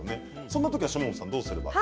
そんなときは島本さんどうすれば。